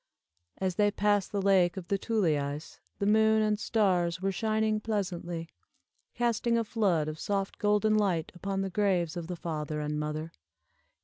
As they passed the Lake of the Tuleis, the moon and stars were shining pleasantly, casting a flood of soft golden light upon the graves of the father and mother.